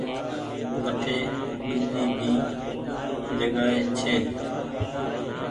وٺي ۮوجي ڀي جگآ ئي ڇي۔